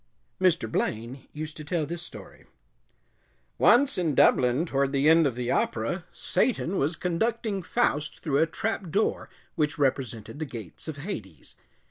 Mr. Blaine used to tell this story: Once in Dublin, toward the end of the opera, Satan was conducting Faust through a trap door which represented the gates of Hades.